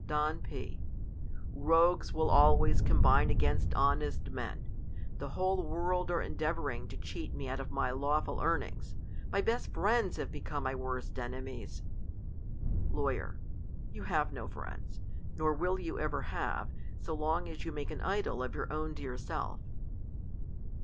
Don P. Rogues will always combine against honest men. The whole world are endeavouring to cheat me out of my lawful earnings. My best friends have become my worst enemies. Law. Y'ou have no friends ; nor will you ever have,. I long as you make an idol of your own dear self.